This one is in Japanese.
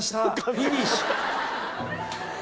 フィニッシュ！